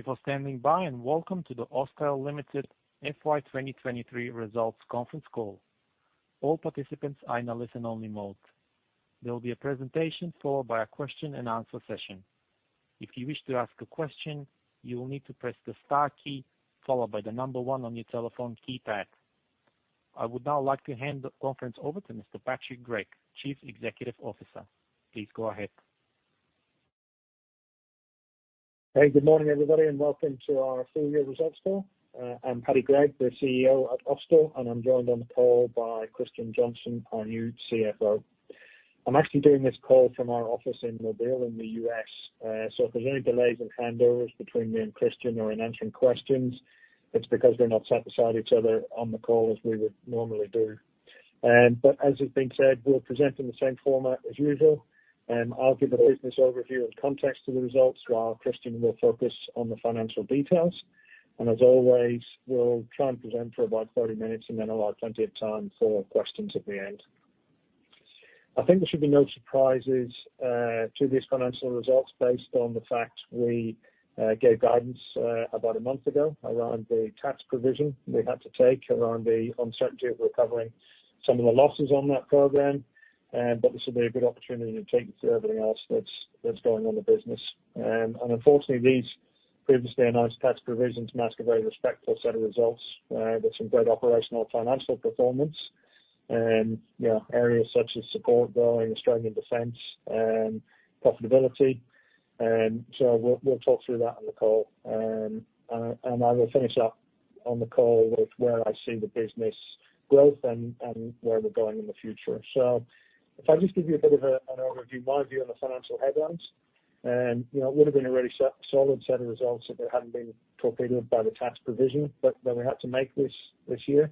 Thank you for standing by, and welcome to the Austal Limited FY 2023 results conference call. All participants are in a listen-only mode. There will be a presentation followed by a question-and-answer session. If you wish to ask a question, you will need to press the star key followed by the number one on your telephone keypad. I would now like to hand the conference over to Mr. Patrick Gregg, Chief Executive Officer. Please go ahead. Hey, good morning, everybody, and welcome to our full-year results call. I'm Paddy Gregg, the CEO at Austal, and I'm joined on the call by Christian Johnston, our new CFO. I'm actually doing this call from our office in Mobile in the US, so if there's any delays in handovers between me and Christian or in answering questions, it's because we're not sat beside each other on the call as we would normally do. But as has been said, we'll present in the same format as usual, and I'll give a business overview and context to the results, while Christian will focus on the financial details. And as always, we'll try and present for about 30 minutes and then allow plenty of time for questions at the end. I think there should be no surprises to these financial results based on the fact we gave guidance about a month ago around the tax provision we had to take around the uncertainty of recovering some of the losses on that program. But this will be a good opportunity to take you through everything else that's going on in the business. And unfortunately, these previously announced tax provisions mask a very respectful set of results with some great operational financial performance, you know, areas such as support growing, Australian defense, and profitability. And so we'll talk through that on the call. And I will finish up on the call with where I see the business growth and where we're going in the future. So if I just give you a bit of an overview, my view on the financial headlines, and, you know, it would have been a really solid set of results if it hadn't been torpedoed by the tax provision, but that we had to make this year.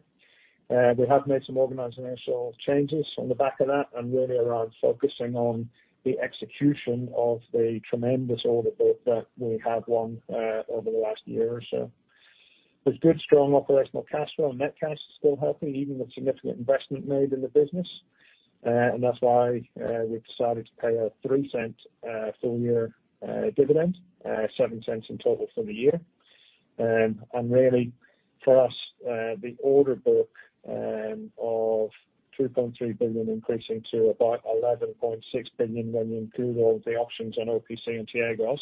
We have made some organizational changes on the back of that, and really around focusing on the execution of the tremendous order book that we have won over the last year or so. There's good, strong operational cash flow, and net cash is still healthy, even with significant investment made in the business. And that's why we've decided to pay an 0.03 full year dividend, 0.07 in total for the year. Really, for us, the order book of $2.3 billion increasing to about $11.6 billion when you include all the options on OPC and T-AGOS,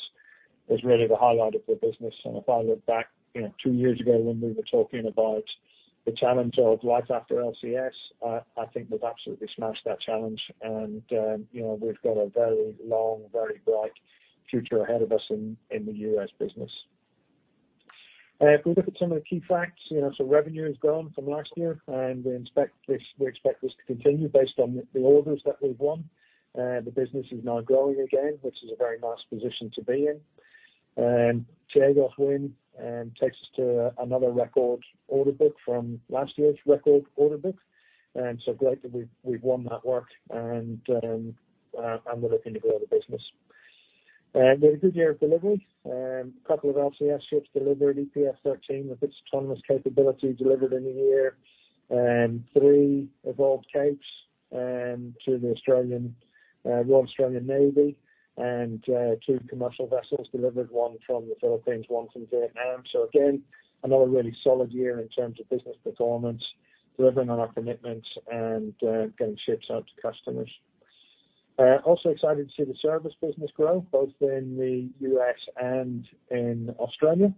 is really the highlight of the business. And if I look back, you know, two years ago when we were talking about the challenge of life after LCS, I think we've absolutely smashed that challenge. And, you know, we've got a very long, very bright future ahead of us in the US business. If we look at some of the key facts, you know, so revenue has grown from last year, and we expect this, we expect this to continue based on the orders that we've won. The business is now growing again, which is a very nice position to be in. T-AGOS win takes us to another record order book from last year's record order book. So great that we've won that work and we're looking to grow the business. We had a good year of deliveries. A couple of LCS ships delivered, EPF 13 with its autonomous capability, delivered in the year. 3 Evolved Capes to the Royal Australian Navy, and 2 commercial vessels delivered, one from the Philippines, one from Vietnam. So again, another really solid year in terms of business performance, delivering on our commitments and getting ships out to customers. Also excited to see the service business grow, both in the US and in Australia.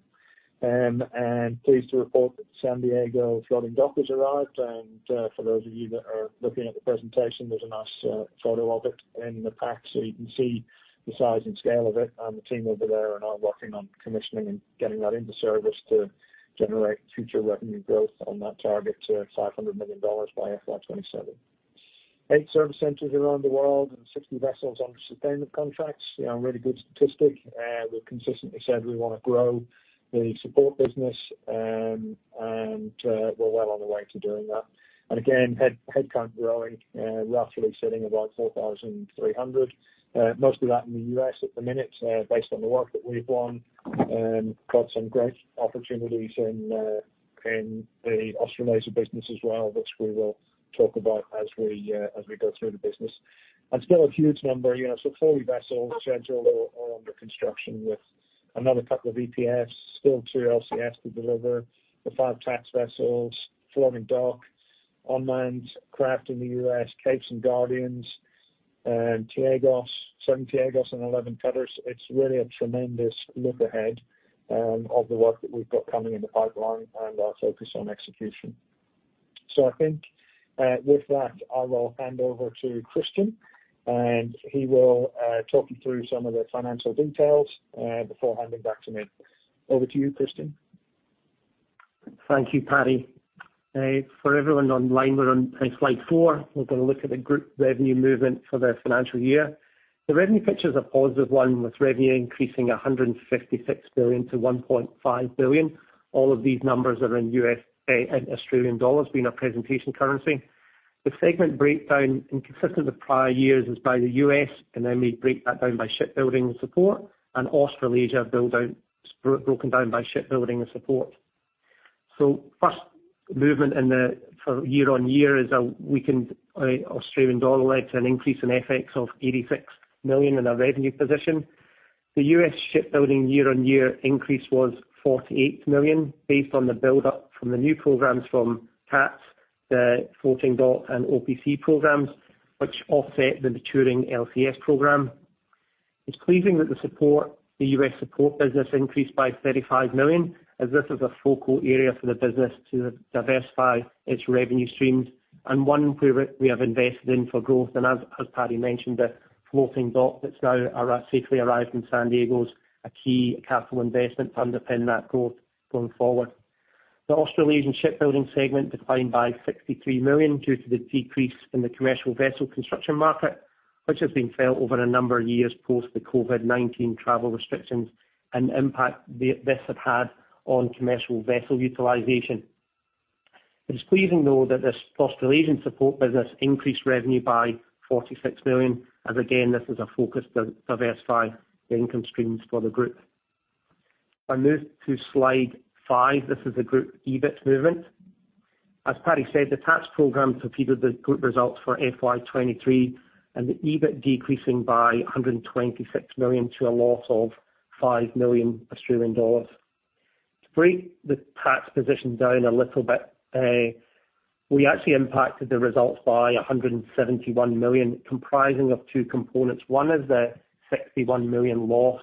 Pleased to report that San Diego floating dock has arrived. For those of you that are looking at the presentation, there's a nice, photo of it in the pack, so you can see the size and scale of it. The team over there are now working on commissioning and getting that into service to generate future revenue growth on that target to $500 million by FY 2027. 8 service centers around the world and 60 vessels under sustainment contracts, you know, a really good statistic. We've consistently said we want to grow the support business, and, we're well on the way to doing that. And again, headcount growing, roughly sitting about 4,300. Most of that in the US at the minute, based on the work that we've won. Got some great opportunities in the Australasia business as well, which we will talk about as we go through the business. Still a huge number, you know, so 40 vessels scheduled or under construction, with another couple of EPFs, still two LCS to deliver, the five T-ATS vessels, floating dock, unmanned craft in the US, Capes and Guardians, T-AGOS, seven T-AGOS and 11 cutters. It's really a tremendous look ahead of the work that we've got coming in the pipeline and our focus on execution. So I think, with that, I will hand over to Christian, and he will talk you through some of the financial details before handing back to me. Over to you, Christian. Thank you, Paddy. For everyone online, we're on slide 4. We're gonna look at the group revenue movement for the financial year. The revenue picture is a positive one, with revenue increasing 156 billion to 1.5 billion. All of these numbers are in US and Australian dollars, being our presentation currency. The segment breakdown, inconsistent with prior years, is by the US, and then we break that down by shipbuilding and support, and Australasia broken down by shipbuilding and support. So first movement in the for year-on-year is we can Australian dollar led to an increase in FX of 86 million in our revenue position. The US shipbuilding year-on-year increase was 48 million, based on the build up from the new programs from T-ATS, the Floating Dock and OPC programs, which offset the maturing LCS program. It's pleasing that the support, the US support business increased by 35 million, as this is a focal area for the business to diversify its revenue streams, and one where we, we have invested in for growth. And as Paddy mentioned, the floating dock that's now safely arrived in San Diego is a key capital investment to underpin that growth going forward. The Australasian Shipbuilding segment declined by 63 million, due to the decrease in the commercial vessel construction market, which has been felt over a number of years post the COVID-19 travel restrictions, and the impact this has had on commercial vessel utilization. It is pleasing though, that this Australasian support business increased revenue by 46 million, as again, this is a focus to diversify the income streams for the group. I move to slide 5. This is a group EBIT movement. As Paddy said, the T-ATS program preceded the group results for FY 2023, and the EBIT decreasing by 126 million to a loss of 5 million Australian dollars. To break the T-ATS position down a little bit, we actually impacted the results by 171 million, comprising of two components. One is the 61 million loss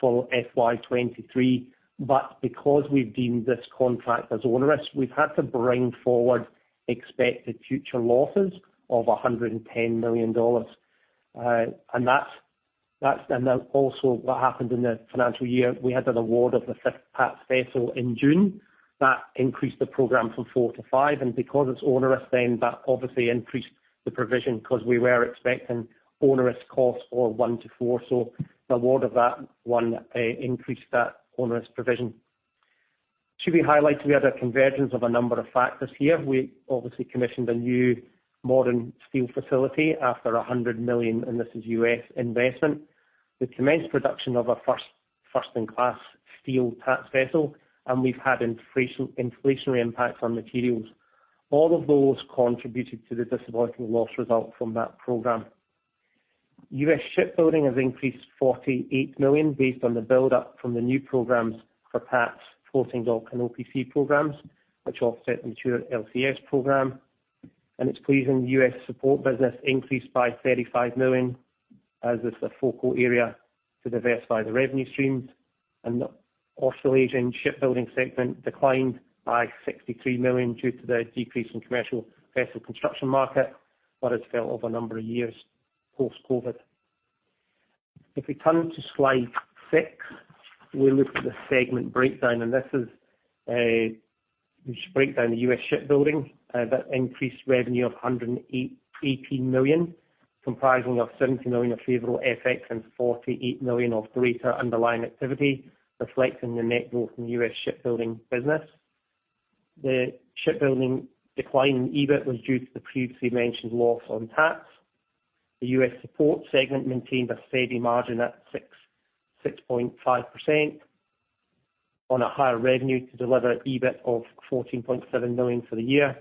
for FY 2023, but because we've deemed this contract as onerous, we've had to bring forward expected future losses of 110 million dollars. And that's, and then also what happened in the financial year, we had an award of the fifth T-ATS vessel in June. That increased the program from four to five, and because it's onerous, then that obviously increased the provision, because we were expecting onerous costs for one to four. So the award of that one, increased that onerous provision. Should we highlight, we had a convergence of a number of factors here. We obviously commissioned a new modern steel facility after $100 million, and this is US investment. We commenced production of our first in class steel T-ATS vessel, and we've had inflationary impacts on materials. All of those contributed to the disappointing loss result from that program. US shipbuilding has increased $48 million based on the buildup from the new programs for T-ATS, Floating Dock and OPC programs, which offset mature LCS program. It's pleasing, US support business increased by $35 million, as it's a focal area to diversify the revenue streams. The Australasian Shipbuilding segment declined by 63 million, due to the decrease in commercial vessel construction market, but it's felt over a number of years post-COVID. If we turn to slide six, we look at the segment breakdown, and this is, we break down the US shipbuilding that increased revenue of $118 million, comprising of $70 million of favorable FX and $48 million of greater underlying activity, reflecting the net growth in the US shipbuilding business. The shipbuilding decline in EBIT was due to the previously mentioned loss on T-ATS. The US support segment maintained a steady margin at 6.65% on a higher revenue to deliver EBIT of 14.7 million for the year.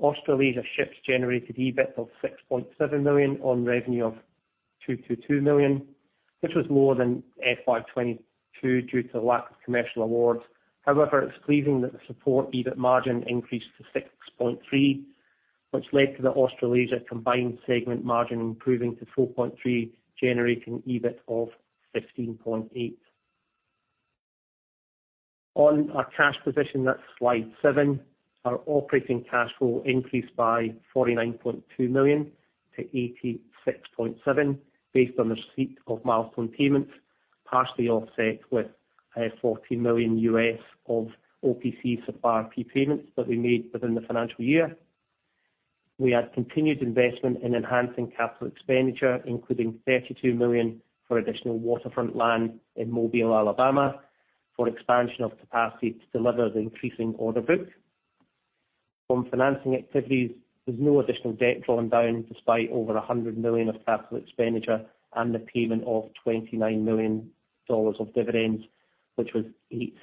Australasia Ships generated EBIT of 6.7 million on revenue of 222 million, which was more than FY 2022 due to the lack of commercial awards. However, it's pleasing that the support EBIT margin increased to 6.3%, which led to the Australasia combined segment margin improving to 4.3%, generating EBIT of 15.8 million. On our cash position, that's slide 7. Our operating cash flow increased by 49.2 million to 86.7 million, based on the receipt of milestone payments, partially offset with $14 million of OPC supplier pre-payments that we made within the financial year. We had continued investment in enhancing capital expenditure, including 32 million for additional waterfront land in Mobile, Alabama, for expansion of capacity to deliver the increasing order book. From financing activities, there's no additional debt drawn down, despite over 100 million of capital expenditure and the payment of 29 million dollars of dividends, which was 0.08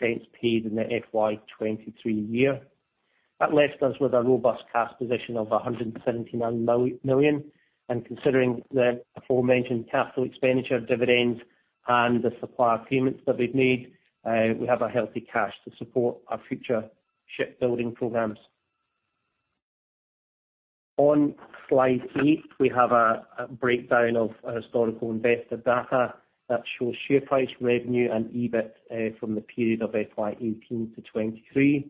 paid in the FY 2023 year. That leaves us with a robust cash position of 179 million, and considering the aforementioned capital expenditure dividends and the supplier payments that we've made, we have a healthy cash to support our future shipbuilding programs. On slide 8, we have a breakdown of historical investor data that shows share price, revenue, and EBIT, from the period of FY 2018 to 2023.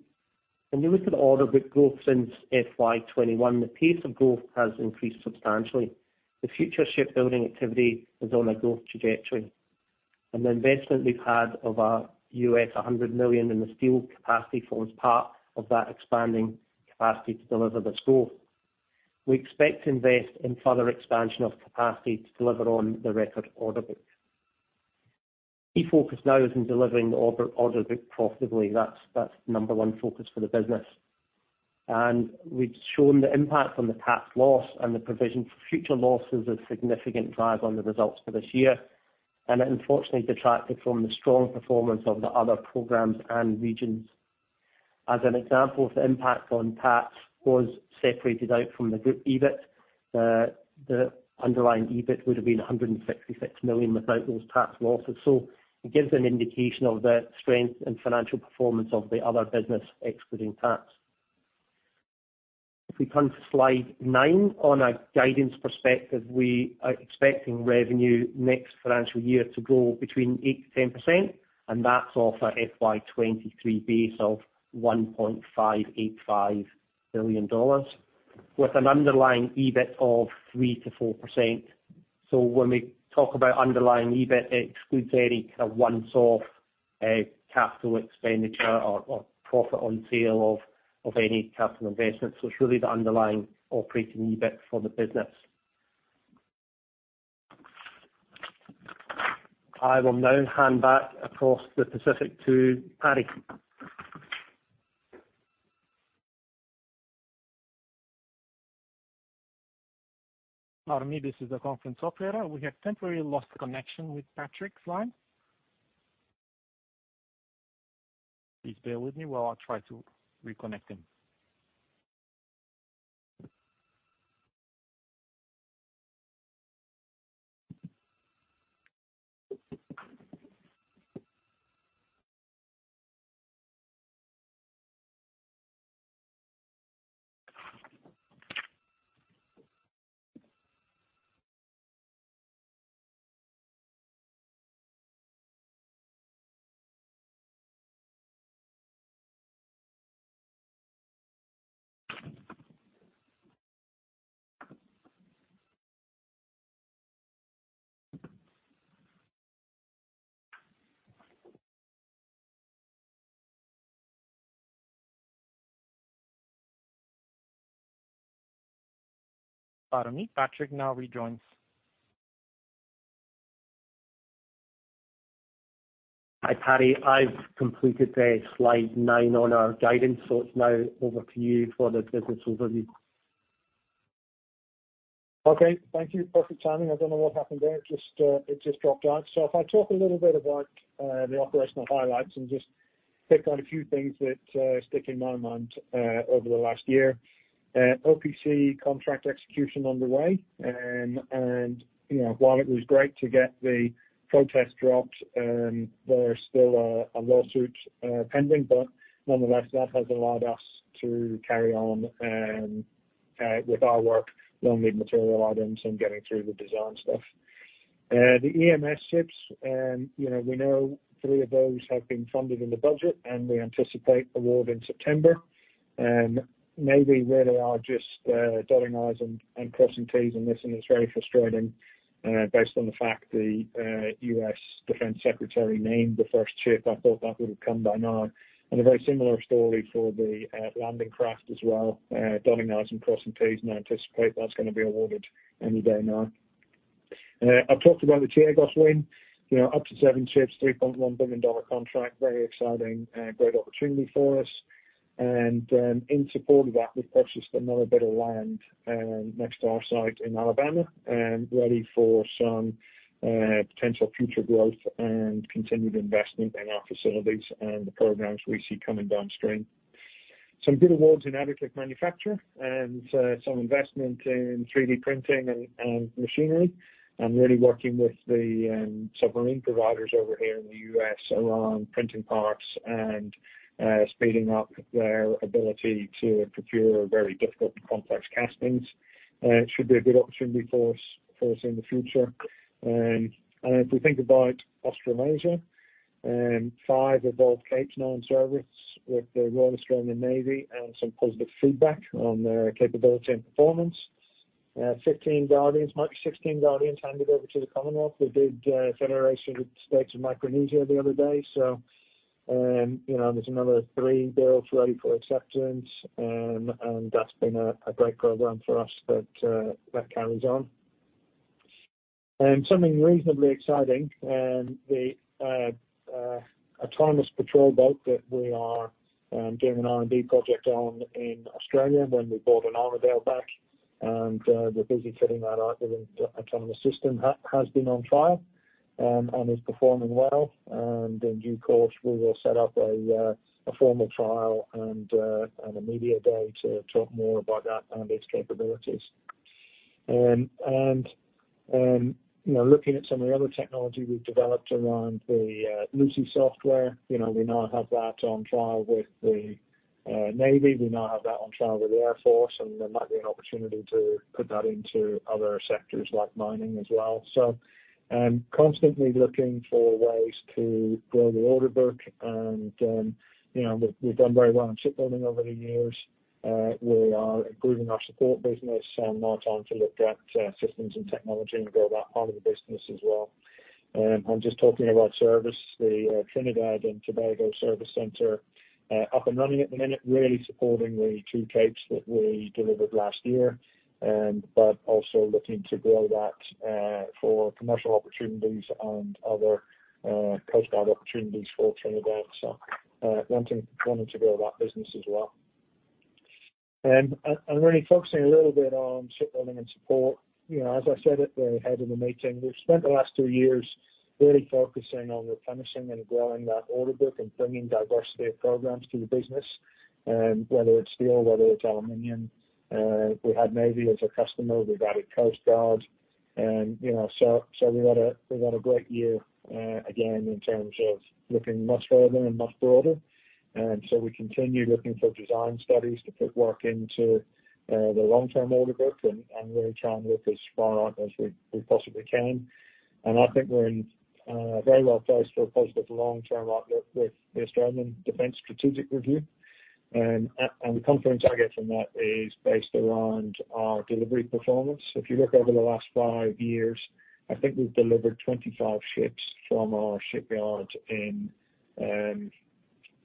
When you look at order book growth since FY 2021, the pace of growth has increased substantially. The future shipbuilding activity is on a growth trajectory, and the investment we've had of our US $100 million in the steel capacity forms part of that expanding capacity to deliver this growth. We expect to invest in further expansion of capacity to deliver on the record order book. Key focus now is on delivering the order, order book profitably. That's, that's number one focus for the business.... We've shown the impact on the LCS loss and the provision for future losses, a significant drag on the results for this year, and it unfortunately detracted from the strong performance of the other programs and regions. As an example, if the impact on LCS was separated out from the group EBIT, the underlying EBIT would have been 166 million without those LCS losses. It gives an indication of the strength and financial performance of the other business, excluding tax. If we turn to slide 9, on a guidance perspective, we are expecting revenue next financial year to grow 8%-10%, and that's off a FY 2023 base of 1.585 billion dollars, with an underlying EBIT of 3%-4%. When we talk about underlying EBIT, it excludes any kind of one-off capital expenditure or profit on sale of any capital investments. It's really the underlying operating EBIT for the business. I will now hand back across the Pacific to Paddy. Pardon me. This is the conference operator. We have temporarily lost connection with Patrick's line. Please bear with me while I try to reconnect him. Pardon me, Patrick now rejoins. Hi, Paddy. I've completed the slide 9 on our guidance, so it's now over to you for the business overview. Okay. Thank you. Perfect timing. I don't know what happened there. It just, it just dropped out. So if I talk a little bit about the operational highlights and just pick on a few things that stick in my mind over the last year. OPC contract execution underway. And you know, while it was great to get the protest dropped, there's still a lawsuit pending, but nonetheless, that has allowed us to carry on with our work on the material items and getting through the design stuff. The EMS ships, you know, we know three of those have been funded in the budget, and we anticipate award in September. Maybe really are just dotting i's and crossing t's on this, and it's very frustrating based on the fact the US Defense Secretary named the first ship. I thought that would have come by now. And a very similar story for the landing craft as well. Dotting i's and crossing t's, and I anticipate that's gonna be awarded any day now. I've talked about the T-AGOS win, you know, up to seven ships, $3.1 billion contract. Very exciting and great opportunity for us. And in support of that, we've purchased another bit of land next to our site in Alabama, ready for some potential future growth and continued investment in our facilities and the programs we see coming downstream. Some good awards in advanced manufacture and some investment in 3D printing and machinery. I'm really working with the submarine providers over here in the US around printing parts and speeding up their ability to procure very difficult and complex castings. It should be a good opportunity for us in the future. And if we think about Australasia, five Evolved Cape-class in service with the Royal Australian Navy and some positive feedback on their capability and performance. 15 Guardians, 16 Guardians handed over to the Commonwealth. We did Federated States of Micronesia the other day. So, you know, there's another three builds ready for acceptance, and that's been a great program for us that carries on. And something reasonably exciting, the autonomous patrol boat that we are doing an R&D project on in Australia when we bought Armidale back, and we're busy fitting that out with an autonomous system, has been on trial, and is performing well. And in due course, we will set up a formal trial and a media day to talk more about that and its capabilities. And, you know, looking at some of the other technology we've developed around the LUSI software, you know, we now have that on trial with the Navy. We now have that on trial with the Air Force, and there might be an opportunity to put that into other sectors, like mining as well. So I'm constantly looking for ways to grow the order book and, you know, we've done very well in shipbuilding over the years. We are improving our support business and more time to look at systems and technology and grow that part of the business as well. I'm just talking about service, the Trinidad and Tobago service center up and running at the minute, really supporting the two capes that we delivered last year. But also looking to grow that for commercial opportunities and other coast guard opportunities for Trinidad. So wanting to grow that business as well. And really focusing a little bit on shipbuilding and support. You know, as I said at the head of the meeting, we've spent the last two years really focusing on replenishing and growing that order book and bringing diversity of programs to the business, whether it's steel, whether it's aluminum, we had Navy as a customer, we've added Coast Guard. And, you know, so we had a great year, again, in terms of looking much further and much broader. And so we continue looking for design studies to put work into the long-term order book and really try and look as far out as we possibly can. And I think we're in very well placed for a positive long-term outlook with the Australian Defence Strategic Review. And the confidence I get from that is based around our delivery performance. If you look over the last 5 years, I think we've delivered 25 ships from our shipyard in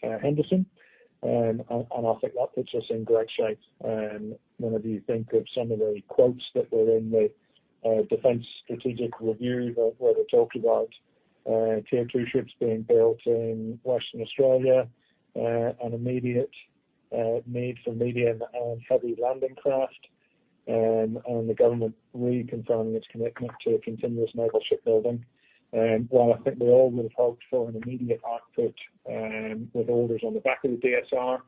Henderson. I think that puts us in great shape. When you think of some of the quotes that were in the Defence Strategic Review, where they talked about Tier Two ships being built in Western Australia, an immediate need for medium and heavy landing craft, and the government reconfirming its commitment to continuous naval shipbuilding. While I think we all would have hoped for an immediate output, with orders on the back of the DSR,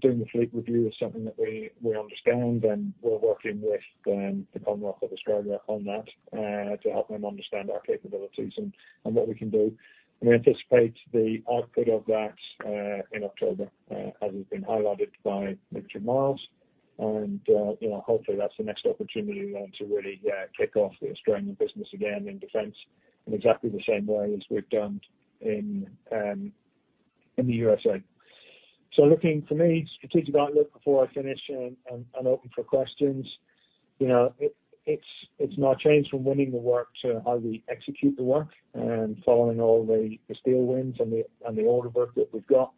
doing the fleet review is something that we understand, and we're working with the Commonwealth of Australia on that to help them understand our capabilities and what we can do. And we anticipate the output of that, in October, as has been highlighted by Minister Marles. And, you know, hopefully, that's the next opportunity then to really, kick off the Australian business again in defense, in exactly the same way as we've done in, in the USA. So looking for me, strategic outlook before I finish and open for questions. You know, it's not changed from winning the work to how we execute the work and following all the steel wins and the order book that we've got.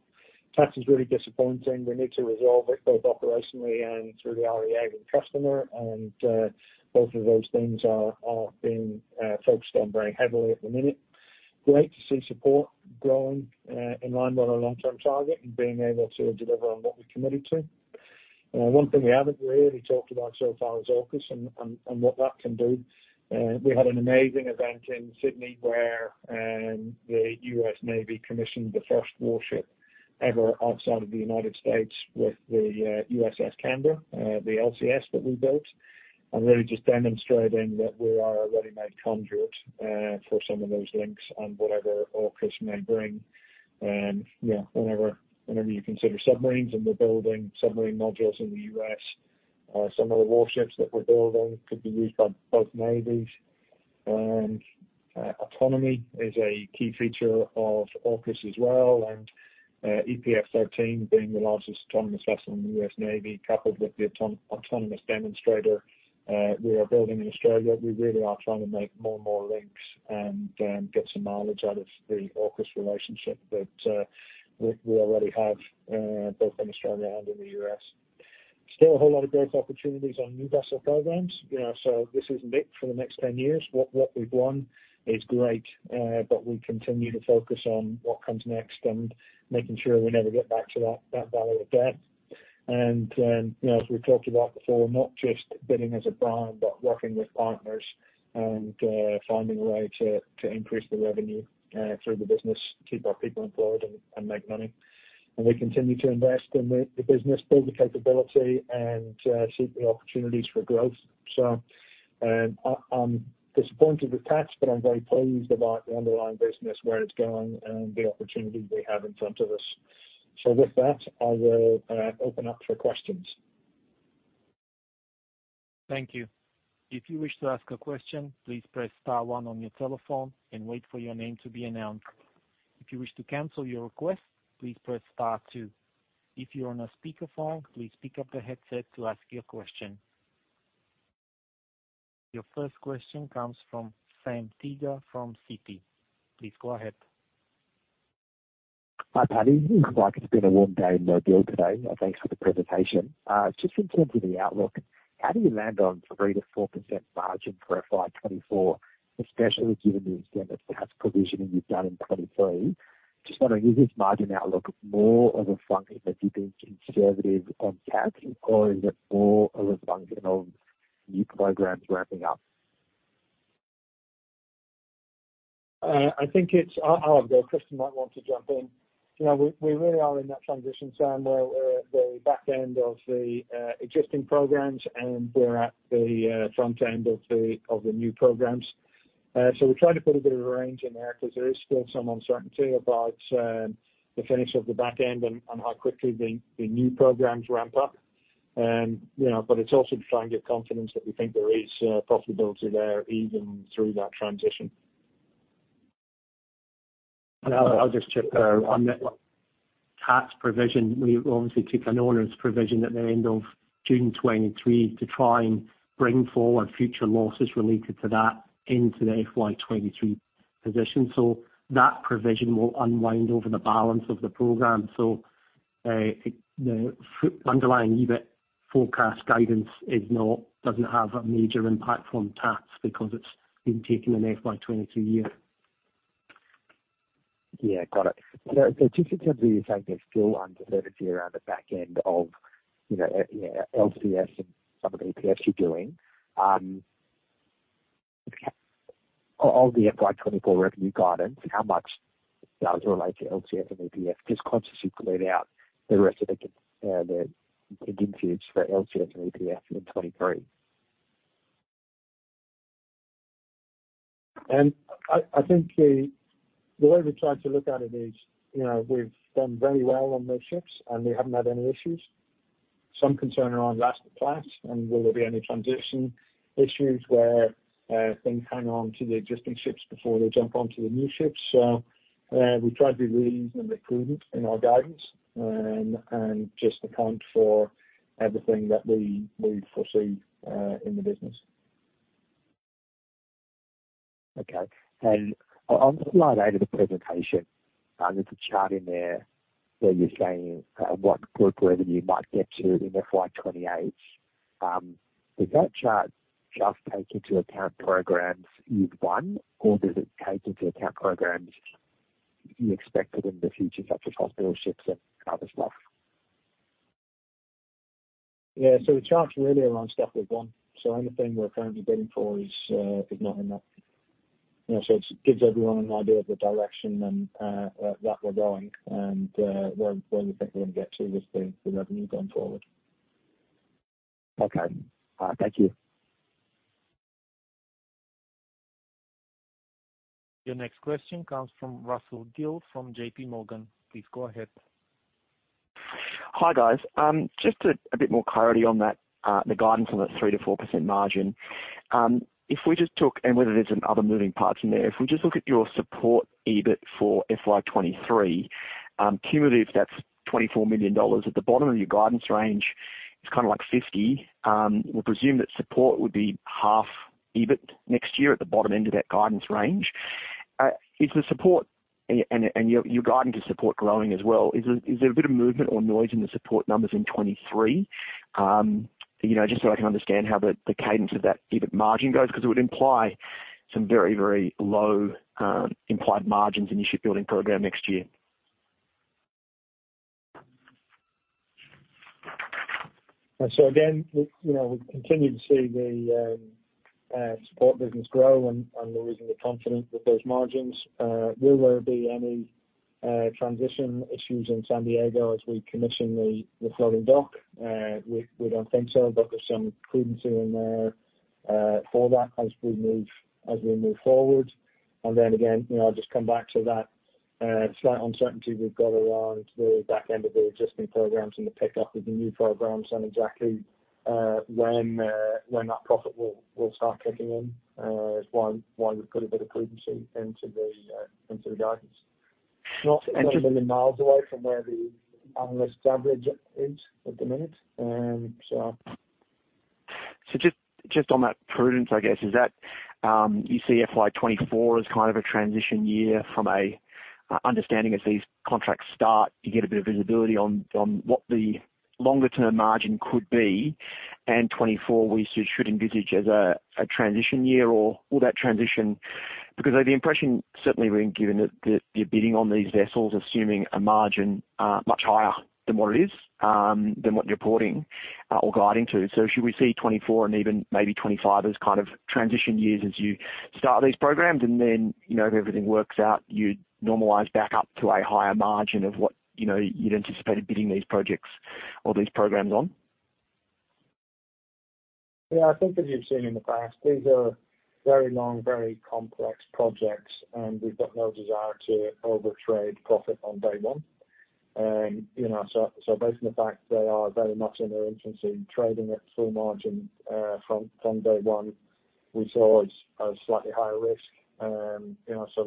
T-ATS is really disappointing. We need to resolve it, both operationally and through the REA with the customer. And, both of those things are being focused on very heavily at the minute. Great to see support growing in line with our long-term target and being able to deliver on what we committed to. One thing we haven't really talked about so far is AUKUS and what that can do. We had an amazing event in Sydney where the US Navy commissioned the first warship ever outside of the United States with the USS Canberra, the LCS that we built. Really just demonstrating that we are a ready-made conduit for some of those links and whatever AUKUS may bring. Yeah, whenever you consider submarines, and we're building submarine modules in the US, some of the warships that we're building could be used by both navies. Autonomy is a key feature of AUKUS as well, and EPF 13 being the largest autonomous vessel in the US Navy, coupled with the autonomous demonstrator we are building in Australia, we really are trying to make more and more links and get some mileage out of the AUKUS relationship that we already have both in Australia and in the US Still a whole lot of growth opportunities on new vessel programs. You know, so this isn't it for the next 10 years. What we've won is great, but we continue to focus on what comes next and making sure we never get back to that valley of death. And, you know, as we've talked about before, not just bidding as a brand, but working with partners and, finding a way to, to increase the revenue, through the business, keep our people employed and, and make money. And we continue to invest in the business, build the capability, and, seek the opportunities for growth. So, I'm disappointed with tax, but I'm very pleased about the underlying business, where it's going and the opportunities we have in front of us. So with that, I will, open up for questions. Thank you. If you wish to ask a question, please press star one on your telephone and wait for your name to be announced. If you wish to cancel your request, please press star two. If you're on a speakerphone, please pick up the headset to ask your question. Your first question comes from Sam Teeger from Citi. Please go ahead. Hi, Paddy. Looks like it's been a warm day in Mobile today. Thanks for the presentation. Just in terms of the outlook, how do you land on 3%-4% margin for FY 2024, especially given the extent of tax provisioning you've done in 2023? Just wondering, is this margin outlook more of a function that you're being conservative on tax, or is it more of a function of new programs ramping up? I think it's, I'll go, Christian might want to jump in. You know, we, we really are in that transition, Sam, where we're at the back end of the existing programs, and we're at the front end of the new programs. So we try to put a bit of a range in there, because there is still some uncertainty about the finish of the back end and how quickly the new programs ramp up. You know, but it's also to try and give confidence that we think there is profitability there, even through that transition. I'll just chip in there. On net tax provision, we obviously took an owner's provision at the end of June 2023 to try and bring forward future losses related to that into the FY 2023 position. That provision will unwind over the balance of the program. The underlying EBIT forecast guidance doesn't have a major impact on tax because it's been taken in FY 2022 year. ... Yeah, got it. So just in terms of you saying there's still uncertainty around the back end of, you know, yeah, LCS and some of the EPF you're doing, of the FY 2024 revenue guidance, how much, you know, is related to LCS and EPF? Just consciously bleed out the rest of the, the dim tubes for LCS and EPF in 23. I think the way we tried to look at it is, you know, we've done very well on those ships, and we haven't had any issues. Some concern around last to class and will there be any transition issues where things hang on to the existing ships before they jump onto the new ships. So, we tried to be really prudent in our guidance and just account for everything that we foresee in the business. Okay. And on slide 8 of the presentation, there's a chart in there where you're saying what group revenue you might get to in FY 2028. Does that chart just take into account programs you've won, or does it take into account programs you expect in the future, such as hospital ships and other stuff? Yeah. So the charts really around stuff we've won. So anything we're currently bidding for is not in that. You know, so it gives everyone an idea of the direction and that we're going and where we think we're gonna get to with the revenue going forward. Okay. Thank you. Your next question comes from Russell Gill, from J.P. Morgan. Please go ahead. Hi, guys. Just to add a bit more clarity on that, the guidance on the 3%-4% margin. And whether there's some other moving parts in there, if we just look at your USA EBIT for FY 2023, cumulative, that's 24 million dollars. At the bottom of your guidance range, it's kind of like 50. We'll presume that USA would be half EBIT next year at the bottom end of that guidance range. Is the USA and your guidance to USA growing as well? Is there a bit of movement or noise in the USA numbers in 2023? You know, just so I can understand how the cadence of that EBIT margin goes, because it would imply some very, very low implied margins in your shipbuilding program next year. So again, we, you know, we continue to see the support business grow, and we're reasonably confident that those margins. Will there be any transition issues in San Diego as we commission the floating dock? We don't think so, but there's some prudence in there for that as we move forward. And then again, you know, I'll just come back to that slight uncertainty we've got around the back end of the existing programs and the pickup of the new programs and exactly when that profit will start kicking in is why we've put a bit of prudence into the guidance. Not many miles away from where the analyst average is at the minute, so. So just on that prudence, I guess, is that you see FY 2024 as kind of a transition year from a understanding as these contracts start, you get a bit of visibility on what the longer-term margin could be, and 2024 we should envisage as a transition year, or will that transition? Because the impression certainly being given that you're bidding on these vessels, assuming a margin much higher than what it is than what you're reporting or guiding to. So should we see 2024 and even maybe 2025 as kind of transition years as you start these programs, and then, you know, if everything works out, you normalize back up to a higher margin of what, you know, you'd anticipate bidding these projects or these programs on? Yeah, I think as you've seen in the past, these are very long, very complex projects, and we've got no desire to overtrade profit on day one. And, you know, so based on the fact they are very much in their infancy, trading at full margin, from day one, we saw as a slightly higher risk. You know, so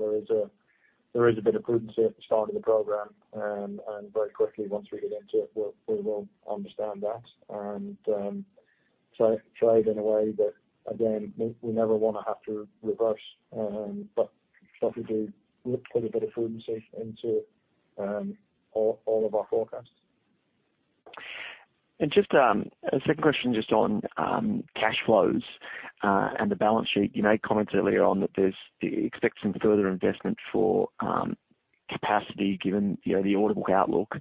there is a bit of prudence at the start of the program, and very quickly once we get into it, we'll, we will understand that and trade in a way that, again, we never wanna have to reverse, but we do put a bit of prudence into all of our forecasts. Just a second question, just on cash flows and the balance sheet. You made comments earlier on that there's the expect some further investment for capacity, given, you know, the order book outlook.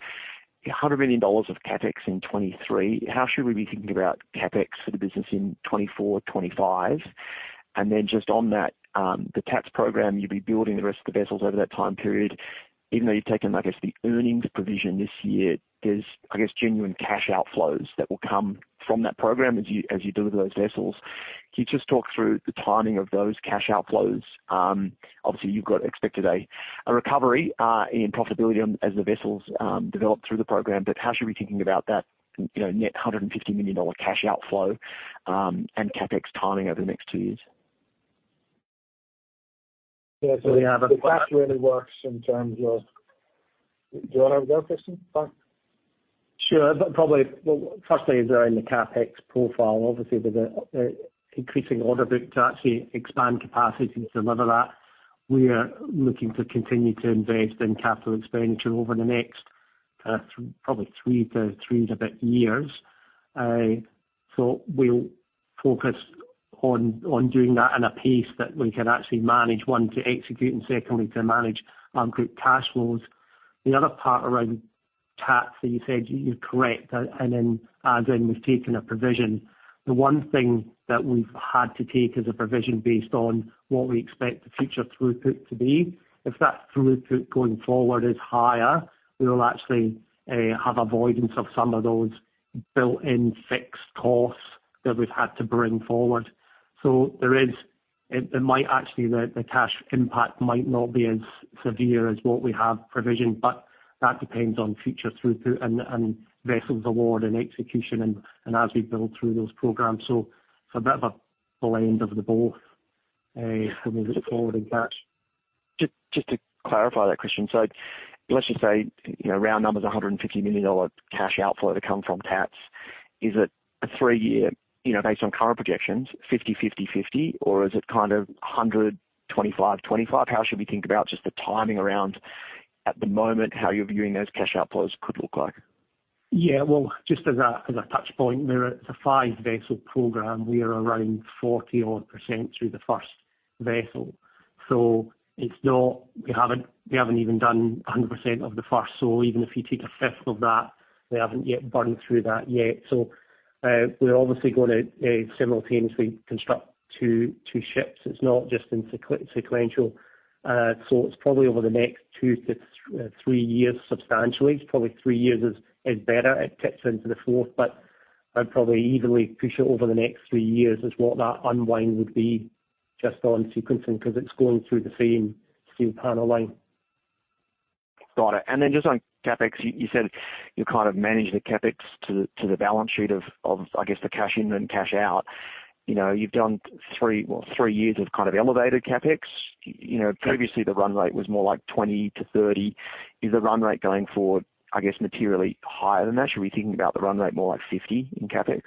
$100 million of CapEx in 2023, how should we be thinking about CapEx for the business in 2024, 2025? And then just on that, the TAPS program, you'll be building the rest of the vessels over that time period, even though you've taken, I guess, the earnings provision this year, there's, I guess, genuine cash outflows that will come from that program as you deliver those vessels. Can you just talk through the timing of those cash outflows? Obviously, you've got expected a, a recovery in profitability on, as the vessels develop through the program, but how should we be thinking about that, you know, net $150 million cash outflow, and CapEx timing over the next two years? Yeah, so we have... That really works in terms of... Do you want to have a go, Christian, first? Sure. Probably, well, firstly is around the CapEx profile. Obviously, with the increasing order book to actually expand capacity to deliver that, we are looking to continue to invest in capital expenditure over the next probably 3 to 3 and a bit years. So we'll focus on doing that at a pace that we can actually manage, one, to execute, and secondly, to manage group cash flows. The other part around tax that you said, you're correct, and then adding, we've taken a provision. The one thing that we've had to take as a provision based on what we expect the future throughput to be, if that throughput going forward is higher, we will actually have avoidance of some of those built-in fixed costs that we've had to bring forward. So there is—it might actually, the cash impact might not be as severe as what we have provisioned, but that depends on future throughput and vessels award and execution and as we build through those programs. So it's a bit of a blend of the both, as we move forward in that. Just to clarify that question: so let's just say, you know, round numbers, 150 million dollar cash outflow to come from tax. Is it a three-year, you know, based on current projections, 50, 50, 50? Or is it kind of 100, 25, 25? How should we think about just the timing around at the moment, how you're viewing those cash outflows could look like? Yeah, well, just as a touch point, there is a 5-vessel program. We are around 40-odd% through the first vessel, so it's not... We haven't even done 100% of the first. So even if you take a fifth of that, we haven't yet burned through that yet. So, we're obviously going to simultaneously construct two ships. It's not just in sequential, so it's probably over the next 2 to 3 years, substantially. It's probably 3 years is better. It tips into the fourth, but I'd probably evenly push it over the next 3 years, is what that unwind would be, just on sequencing, because it's going through the same steel panel line. Got it. And then just on CapEx, you said you kind of managed the CapEx to the balance sheet of, I guess, the cash in and cash out. You know, you've done three, well, three years of kind of elevated CapEx. You know, previously the run rate was more like 20-30. Is the run rate going forward, I guess, materially higher than that? Should we be thinking about the run rate more like 50 in CapEx?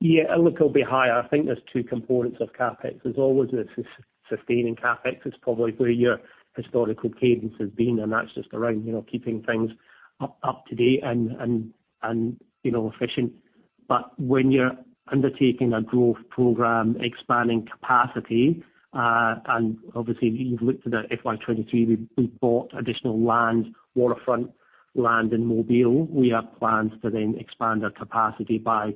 Yeah, it looks a little bit higher. I think there's two components of CapEx. There's always a sustaining CapEx. It's probably where your historical cadence has been, and that's just around, you know, keeping things up to date and, and, you know, efficient. But when you're undertaking a growth program, expanding capacity, and obviously, you've looked at the FY 2023, we bought additional land, waterfront land in Mobile. We have plans to then expand our capacity by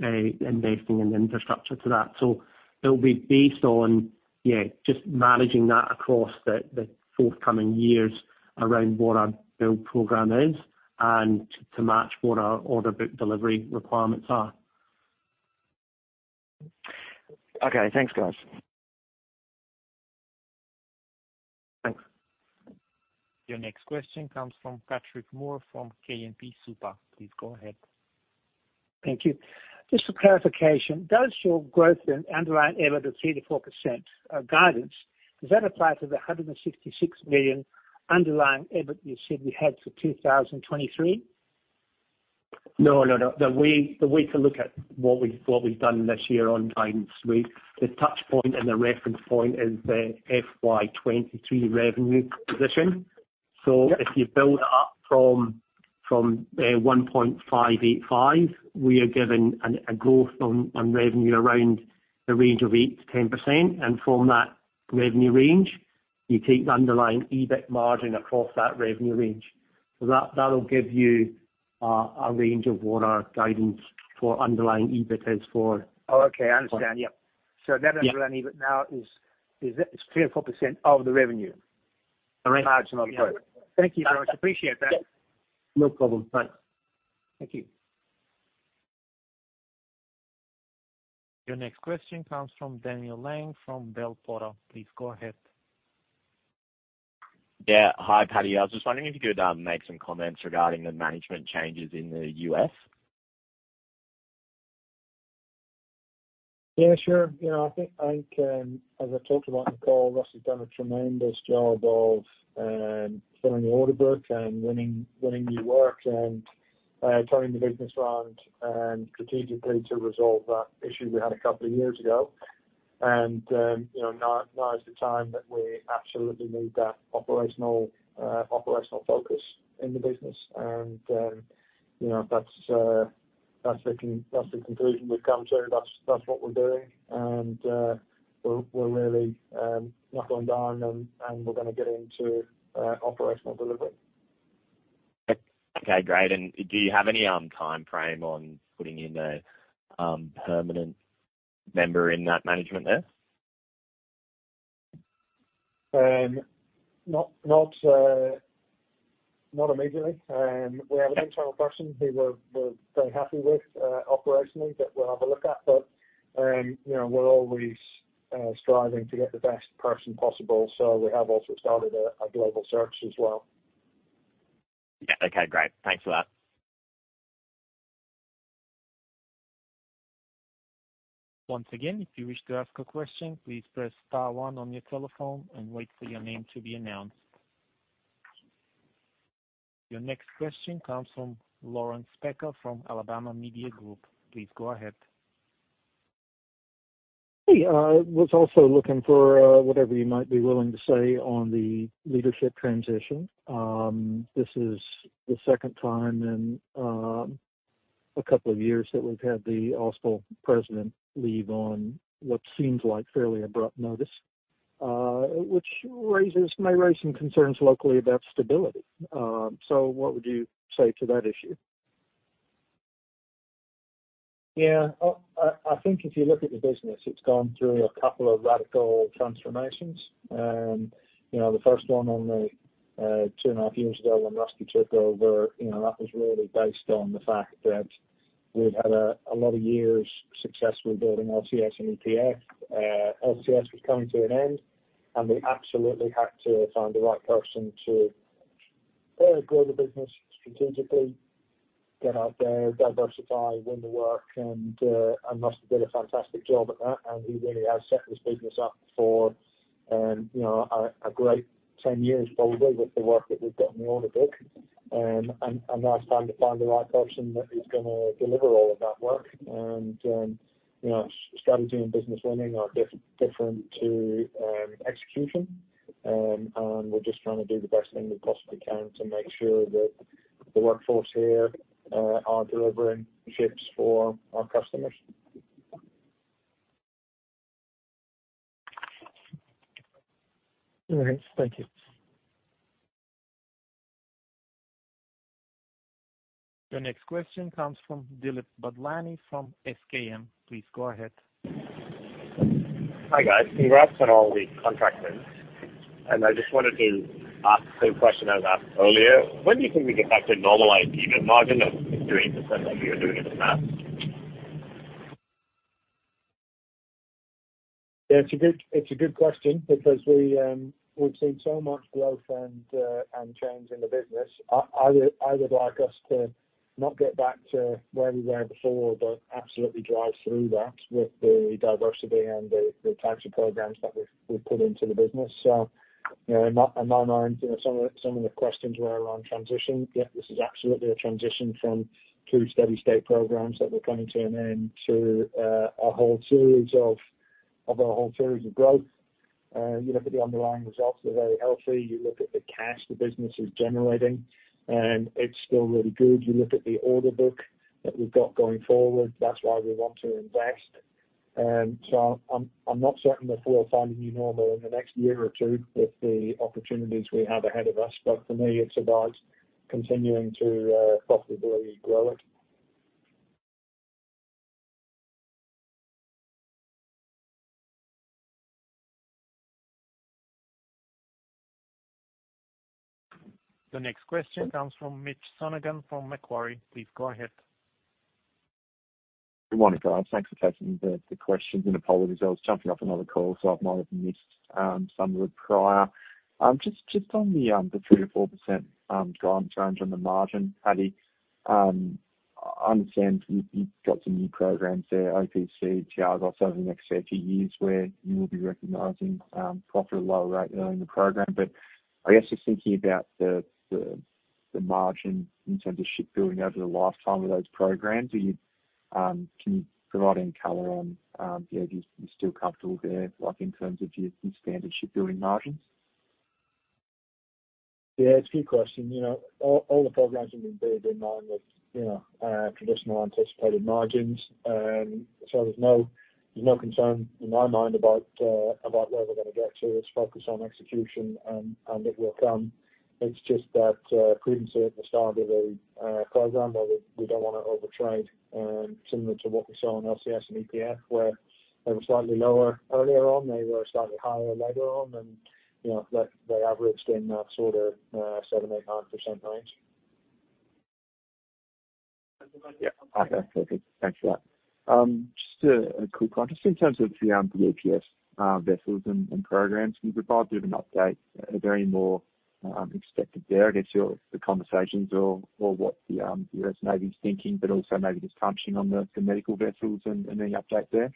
investing in the infrastructure to that. So it'll be based on, yeah, just managing that across the forthcoming years around what our build program is and to match what our order book delivery requirements are. Okay. Thanks, guys. Thanks. Your next question comes from Patrick Moore of KMP Super. Please go ahead. Thank you. Just for clarification, does your growth in underlying EBIT of 3%-4% guidance, does that apply to the 166 million underlying EBIT you said you had for 2023? No, no, no. The way to look at what we've done this year on guidance. The touch point and the reference point is the FY 2023 revenue position. Yeah. So if you build it up from 1.585, we are giving a growth on revenue around the range of 8%-10%. And from that revenue range, you take the underlying EBIT margin across that revenue range. So that, that'll give you a range of what our guidance for underlying EBIT is for. Oh, okay, I understand. Yep. Yeah. So that underlying EBIT now is 3%-4% of the revenue? The range- Margin of growth. Thank you very much. Appreciate that. No problem. Thanks. Thank you. Your next question comes from Daniel Laing from Bell Potter. Please go ahead. Yeah. Hi, Paddy. I was just wondering if you could make some comments regarding the management changes in the US? Yeah, sure. You know, I think, as I talked about on the call, Rusty has done a tremendous job of filling the order book and winning, winning new work and turning the business around and strategically to resolve that issue we had a couple of years ago. And you know, now, now is the time that we absolutely need that operational, operational focus in the business. And you know, that's, that's the conclusion we've come to. That's, that's what we're doing, and we're really locking down and and we're gonna get into operational delivery. Okay, great. And do you have any timeframe on putting in a permanent member in that management there? Not immediately. We have an internal person who we're very happy with, operationally, that we'll have a look at. But you know, we're always striving to get the best person possible, so we have also started a global search as well. Yeah. Okay, great. Thanks for that. Once again, if you wish to ask a question, please press star one on your telephone and wait for your name to be announced. Your next question comes from Lawrence Specker, from Alabama Media Group. Please go ahead.... Hey, was also looking for whatever you might be willing to say on the leadership transition. This is the second time in a couple of years that we've had the Austal president leave on what seems like fairly abrupt notice, which raises- may raise some concerns locally about stability. So what would you say to that issue? Yeah, I think if you look at the business, it's gone through a couple of radical transformations. And, you know, the first one on the 2.5 years ago when Rusty took over, you know, that was really based on the fact that we've had a lot of years successfully building LCS and EPF. LCS was coming to an end, and we absolutely had to find the right person to grow the business strategically, get out there, diversify, win the work. And Rusty did a fantastic job at that, and he really has set this business up for, you know, a great 10 years forward with the work that we've got in the order book. And now it's time to find the right person that is gonna deliver all of that work. You know, strategy and business winning are different to execution. We're just trying to do the best thing we possibly can to make sure that the workforce here are delivering ships for our customers. All right. Thank you. The next question comes from Dilip Badlani from SKM. Please go ahead. Hi, guys. Congrats on all the contract wins. And I just wanted to ask the same question I was asked earlier. When do you think we get back to normalized EBIT margin of 3%, like you were doing in the past? Yeah, it's a good, it's a good question because we've seen so much growth and change in the business. I would like us to not get back to where we were before, but absolutely drive through that with the diversity and the types of programs that we've put into the business. So, you know, and on our end, you know, some of the questions were around transition. Yet this is absolutely a transition from two steady state programs that were coming to an end to a whole series of growth. You look at the underlying results, they're very healthy. You look at the cash the business is generating, and it's still really good. You look at the order book that we've got going forward, that's why we want to invest. So I'm not certain that we'll find a new normal in the next year or two with the opportunities we have ahead of us, but for me, it's about continuing to profitably grow it. The next question comes from Mitch Sonogan, from Macquarie. Please go ahead. Good morning, guys. Thanks for taking the questions and apologies. I was jumping off another call, so I might have missed some of the prior. Just on the 3%-4% guidance range on the margin, Paddy, I understand you've got some new programs there, OPC, T-AGOS, over the next 30 years, where you will be recognizing profit at a lower rate early in the program. But I guess just thinking about the margin in terms of shipbuilding over the lifetime of those programs, are you can you provide any color on yeah, if you're still comfortable there, like in terms of your standard shipbuilding margins? Yeah, it's a good question. You know, all the programs have been bid in mind with, you know, traditional anticipated margins. So there's no concern in my mind about where we're gonna get to. It's focused on execution, and it will come. It's just that prudence at the start of a program, but we don't want to overtrade, similar to what we saw on LCS and EPF, where they were slightly lower earlier on, they were slightly higher later on, and, you know, they averaged in that sort of 7%-9% range. Yeah. Okay. Good. Thanks for that. Just a quick one, just in terms of the EPS vessels and programs, can you provide a bit of an update? Are there any more expected there, I guess, or the conversations or what the US Navy is thinking, but also maybe just touching on the medical vessels and any update there?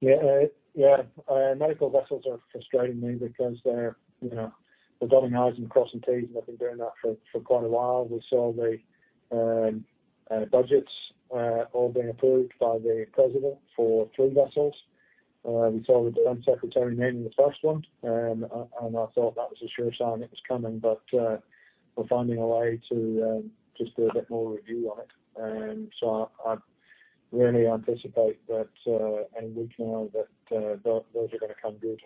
Yeah, yeah. Medical vessels are frustrating me because they're, you know, we're dotting Is and crossing Ts, and we've been doing that for quite a while. We saw the budgets all being approved by the president for three vessels. We saw the defense secretary naming the first one, and I thought that was a sure sign it was coming, but we're finding a way to just do a bit more review on it. And so I really anticipate that, and we know that those are gonna come good.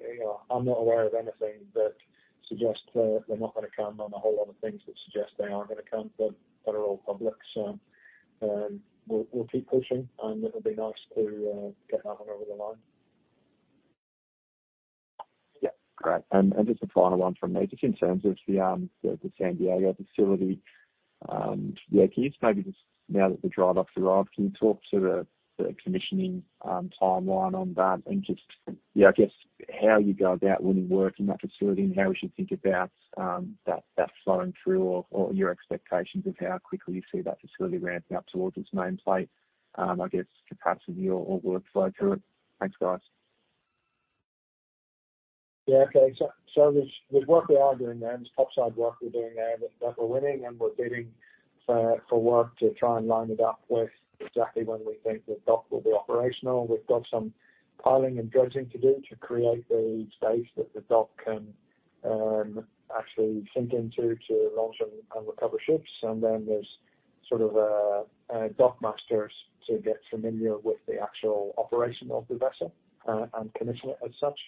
You know, I'm not aware of anything that suggests that they're not gonna come, and a whole lot of things that suggest they are gonna come, but that are all public. So, we'll keep pushing, and it'll be nice to get that one over the line. Yeah. Great. And just a final one from me, just in terms of the San Diego facility. Yeah, can you just maybe just now that the dry dock's arrived, can you talk to the commissioning timeline on that? And just, yeah, I guess how you go about winning work in that facility and how we should think about that flowing through or your expectations of how quickly you see that facility ramping up towards its nameplate, I guess, capacity or workflow through it. Thanks, guys.... Yeah, okay. So there's work we are doing there, and there's top side work we're doing there that we're winning, and we're bidding for work to try and line it up with exactly when we think the dock will be operational. We've got some piling and dredging to do to create the space that the dock can actually sink into to launch and recover ships. And then there's sort of dock masters to get familiar with the actual operation of the vessel and commission it as such,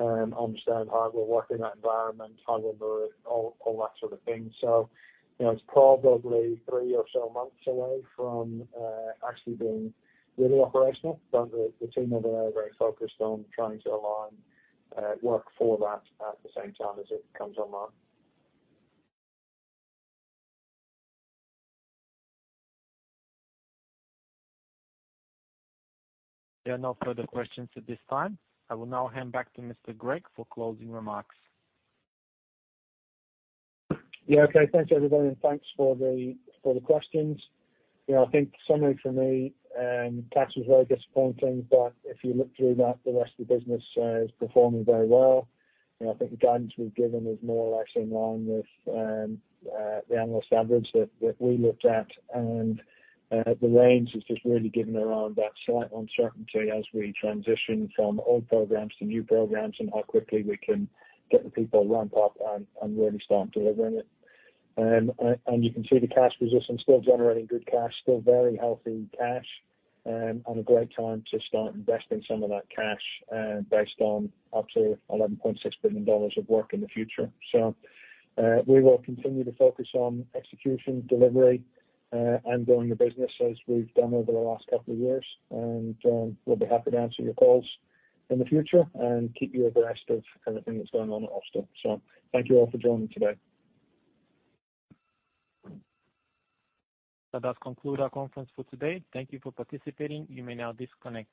understand how we work in that environment, tide over, all that sort of thing. So you know, it's probably three or so months away from actually being really operational. The team over there are very focused on trying to align work for that at the same time as it comes online. There are no further questions at this time. I will now hand back to Mr. Gregg for closing remarks. Yeah, okay. Thanks, everybody, and thanks for the questions. You know, I think summary for me, tax was very disappointing, but if you look through that, the rest of the business is performing very well. You know, I think the guidance we've given is more or less in line with the annual standards that we looked at. And the range is just really given around that slight uncertainty as we transition from old programs to new programs, and how quickly we can get the people ramped up and really start delivering it. And you can see the cash position, still generating good cash, still very healthy cash, and a great time to start investing some of that cash, based on up to $11.6 billion of work in the future. We will continue to focus on execution, delivery, and growing the business as we've done over the last couple of years. We'll be happy to answer your calls in the future and keep you abreast of everything that's going on at Austal. Thank you all for joining today. That does conclude our conference for today. Thank you for participating. You may now disconnect.